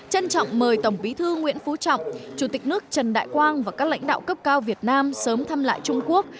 trân trọng mời tổng bí thư nguyễn phú trọng chủ tịch nước trần đại quang và các lãnh đạo cấp cao việt nam sớm thăm lại trung quốc